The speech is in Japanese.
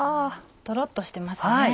トロっとしてますね。